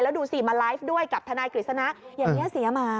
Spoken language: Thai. แล้วดูสิมาไลฟ์ด้วยกับทนายกฤษณะอย่างนี้เสียหมา